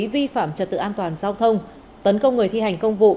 vi phạm trật tự an toàn giao thông tấn công người thi hành công vụ